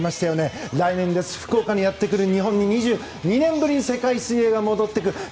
来年です、福岡にやってくる日本に２２年ぶりに世界水泳が戻ってくる。